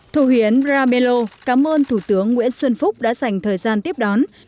thủ hiến ramelo cảm ơn thủ tướng nguyễn xuân phúc đã dành thời gian tiếp đón